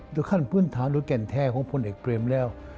โดยขั้นพื้นฐานโดยแก่นแท้ของคนเอกเบรมแล้ว